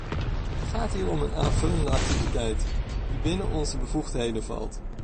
Het gaat hier om een aanvullende activiteit, die binnen onze bevoegdheden valt.